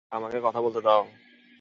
আমাকে কথা বলতে দাও।